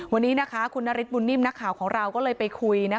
วันนี้คุณนฤทธบุญนิ่มนักข่าวของเราก็เลยไปคุย